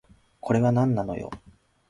これはなんなのよ